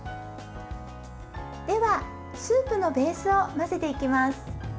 では、スープのベースを混ぜていきます。